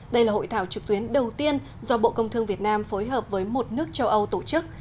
đây là hội thảo trực tuyến đầu tiên do bộ công thương việt nam phối hợp với một nước châu âu tổ chức